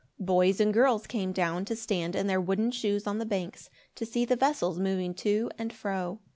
Boys and girls came down to stand in their wooden shoes on the banks, to see the vessels moving to and fro.